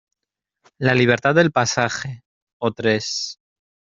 la libertad del pasaje. o tres: